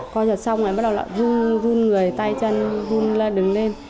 coi giật xong rồi bắt đầu vun người tay chân vun lên đứng lên